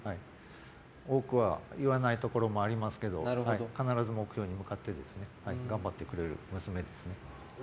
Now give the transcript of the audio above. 多くは言わないところもありますけど必ず目標に向かって頑張ってくれる娘ですね。